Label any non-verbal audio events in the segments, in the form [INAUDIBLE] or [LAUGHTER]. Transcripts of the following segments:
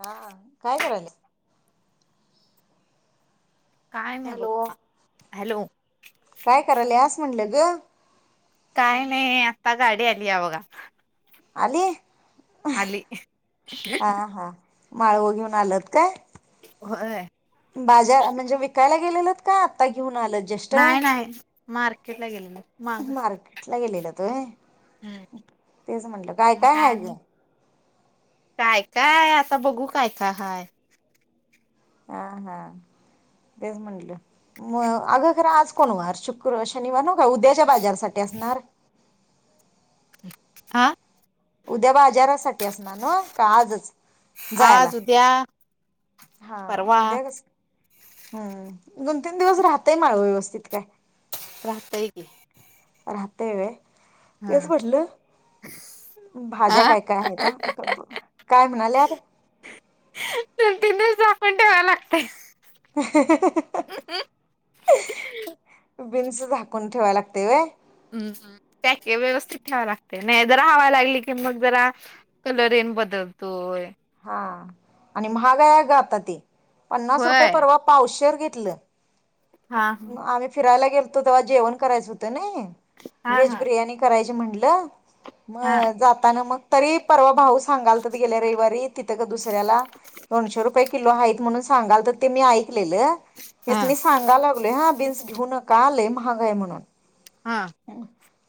हा काय करायले काय नाही बघ हॅलो हॅलो काय करायल्यास म्हटलं ग. काय नाही आता गाडी आली या बघा. आली? आली हा हा माळव घेऊन आल्यात काय? होय बाजा म्हणजे विकायला गेलेत का आत्ता घेऊन नालज जष्ट मार्केटला गेलेले. माग मार्केटला गेलेल्यात ते हम्म तेच म्हटलं काय, मग काय हाय ग? आणि काय, काय आता बघू काय, काय हाय. हा, हा तेच म्हटलं म अगं खरं आज कोण वार शुक्रवार शनिवार न का उद्याच्या बाजारसाठी असणार? आ उद्या बाजारासाठी असणार नवं? का आजच जायला आज उद्या हा परवा. उद्या कस हम्म. दोन तीन दिवस राहतय माळव व्यवस चित काय राहतय की. राहतय वय? हा तेच म्हटलं भाज्या हा काय काय हायता काय म्हणाल्यात? दोन तीन दिवसा आपण डोळा लागतय. जिन्स झाकून ठेवायला लाग ते व्हय हम, हम त्या की व्यवस्थित ठेवाय लागतय. नाही जरा हवा लागली की, मग जरा कलरयेन बदलतोय. हा आणि महाग अगं आता ते. पन्नास रुपये होय परवा पावसशेर घेत तिलं हा आम्ही फिरायला गेल तो तेव्हा जेवण करायचं होतं नाइ. हा वेज हा बिर्याणी करायची म्हण ल म हा जातांना मग तरी परवा भाऊ सांगालतित गेल्या रविवारी तिथं ग दुसर्‍याला दोनशे रुपये किलो हाय. म्हणून सांगालत ते मी आई कलेल हा हेच मी सांगायला लागलो हा घेऊ नका, लई महाग महाग हाय म्हणून. हा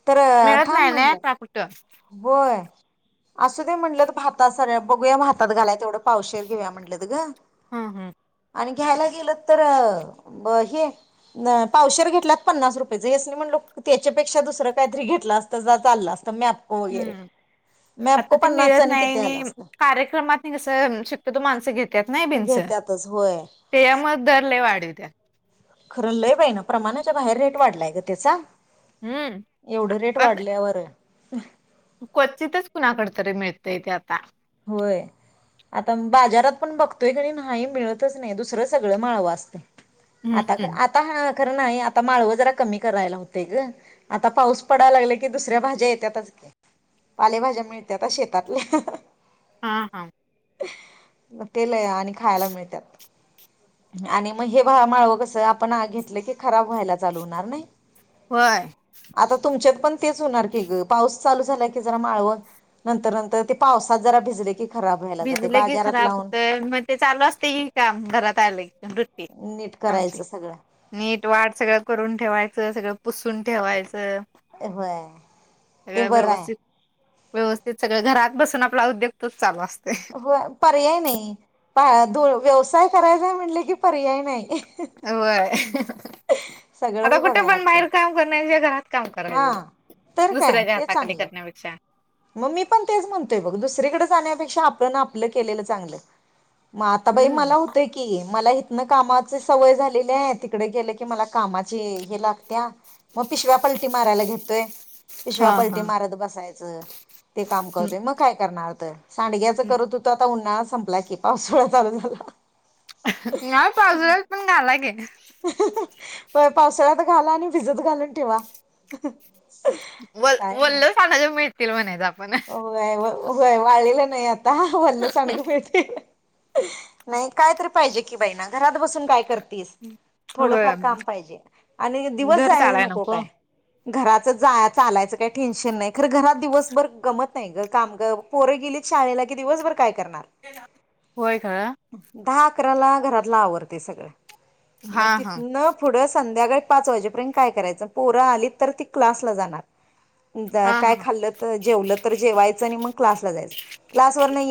तर मिळत थांब नाही ना म्हणलं आता कुठं. होय. असू दे म्हणलत भातात सगळ्या बघूया भातात घालाय तेवढं पावशेर घेऊया म्हटलंत ग. हम्म हम्म. आणि घ्यायला गेलं तर हे पावशेर घेतलात पन्नास रुपयाच यासनी म्हणलं, त्याच्यापेक्षा दुसरं काहीतरी घेतलं असतं तर चाललं असतं. मॅ हम्म आता ते मिळत नाही किती आलं आणि, असतं कार्यक्रमातनी कसं शक्यतो माणसं घेत्यात नाही बीन्स. घेत्यातच होय. त्यामुळ दर लई वाढवित्यात. खरं. लई बई ना प्रमाणाच्या बाहेर रेट वाढलाय ग त्याचा. हम्म येवढ रेट वाढल्यावर [INAUDIBLE] क्वचितच कुणाकड तरी मिळतय ते आता. आपण बघतोय कनी नाही मिळतच नाही, दुसरं सगळं माळव असतय. आता हम्म का आता हा खरं नाही. आता माळव जरा कमी करायला होते ग. आता पाऊस पडायला लागला की दुसऱ्या भाज्या येत्यातच की. पालेभाज्या मिळत्यात आता शेतातल. हा हा. म ते लई आणि खायला मिळत्यात. आणि मग हे माळव कस आपण घेतलं की खराब व्हायला चालू होणार नाही. होय आता तुमच्या पण तेच होणार की ग पाऊस चालू झाला की जरा माळव नंतर नंतर पाऊस ह जरा भिजले की खराब व्हायला जातय भिजल की बाजारात खराब लावून हुंतय मग ते चालू असतय की काम घरात आल की नीट आमची करायचं सगळं. नीट वाट सगळं करून ठेवाय सगळं पुसून ठेवायचं. होय ते सगळं बरं हाय. व्यवस्थित व्यवस्थित सगळ घरात बसून आपला उद्योग तोच चालू असतो. होय पर्याय नाही. द व्यवसाय करायचाय म्हटल की पर्याय नाही. व्हय. आता सगळंच कुठ बघाय पण लागतय. बाहेर काम करण्यापेक्षा घरात काम हा करायचं तर काय दुसऱ्याच्या ते हाताखाली चांगलं. करण्यापेक्षा. मग मी पण तेच म्हणतोय बघ दुसरीकडे जाण्यापेक्षा आपण आपलं केलेलं चांगलं. मग आता बाई हम्म मला होतंय की, मला न कामाचे सवय झालेली आहे तिकडे गेलं की मला कामाची हे लागते. त्या मग पिशव्या पलटी मारायला घेतोय पिशव्या हा हा पलटी मारत बसायचं. ते काम करतोय मग काय करणार तर सांडग्याच करत होतो. उन्हाळा संपला की पावसूळा चालू झाला. नाही पाऊसुळ्यात पण घाला की. पावसाळ्यात घाला आणि भिजत घालून ठेवा. व काय वल्ल सांडग मिळ मिळतील म्हणायच आपण. [UNINTELLIGIBLE] व्हय वाळलेल नाही आता वल्ल सांडग मिळतील. नाही काय तरी पाहिजे की बाई ना घरात बसून काय करत होय थोडफार काम पाहिजे आणि दिवस घर जायला चालाय नको काय? घराचं जायच आलायचं काही टेन्शन नाही खरं घरात दिवसभर गमत नाही ग. पोर गेलीत शाळेला की दिवस भर काय करणार? होय खरं दहा अकराला घरातला आवरतय सगळ. मग हा हा तिथनं पुढं संध्याकाळ पाच वाजेपर्यंत काय करायचं पोरा आली तर ती क्लासला जाणार. हा हा. काय खाल्ल तर जेवलत जेवायचं आणि म मग क्लासला जायचं. क्लास वरन याय